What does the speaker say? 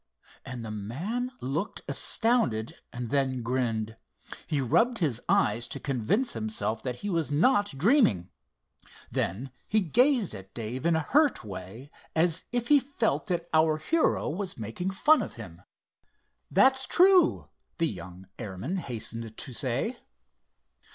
and the man looked astounded and then grinned. He rubbed his eyes to convince himself that he was not dreaming. Then he gazed at Dave in a hurt way, as if he felt that our hero was making fun of him. "That's true," the young airman hastened to say.